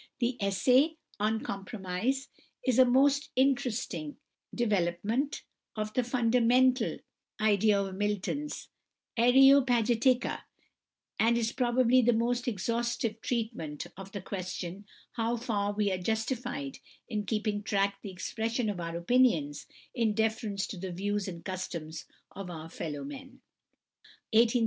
The essay "On Compromise" is a most interesting development of the fundamental idea of Milton's "Areopagitica," and is probably the most exhaustive treatment of the question how far we are justified in keeping back the expression of our opinions in deference to the views and customs of our fellow men.